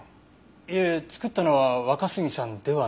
いえ作ったのは若杉さんではないと思います。